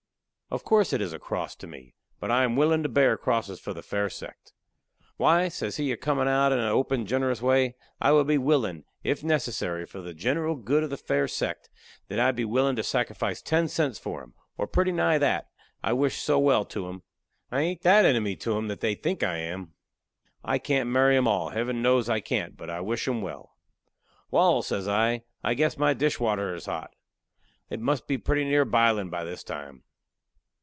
"Of course it is a cross to me. But I am willin' to bear crosses for the fair sect. Why," says he, a comin' out in a open, generous way, "I would be willin', if necessary for the general good of the fair sect I would be willin' to sacrifice ten cents for 'em, or pretty nigh that, I wish so well to 'em. I hain't that enemy to 'em that they think I am. I can't marry 'em all, Heaven knows I can't, but I wish 'em well." "Wal," says I, "I guess my dishwater is hot; it must be pretty near bilin' by this time."